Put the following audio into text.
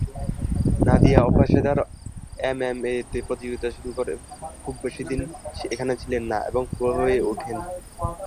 নাদিয়া অপেশাদার এমএমএ-তে প্রতিযোগিতা শুরু করে খুব বেশিদিন এখানে ছিলেন না এবং প্রো হয়ে উঠেন।